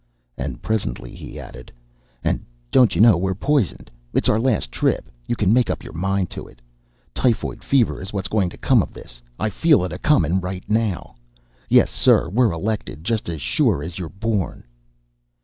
And presently he added, "And don't you know, we're pisoned. It's our last trip, you can make up your mind to it. Typhoid fever is what's going to come of this. I feel it acoming right now. Yes, sir, we're elected, just as sure as you're born."